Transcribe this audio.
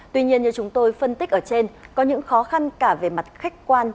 tuy nhiên như chúng tôi phân tích ở trên có những khó khăn cả về mặt khách quan